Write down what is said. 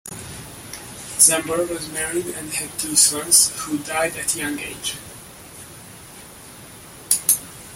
Sambor was married and had two sons who died at young age.